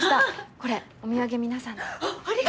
これお土産皆さんで。